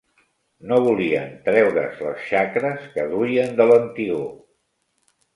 No volien treure-s les xacres que duien de l'antigor